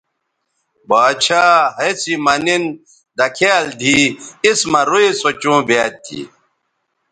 باڇھا ہسی مہ نِن دکھیال دی اِس مہ روئ سو چوں بیاد تھی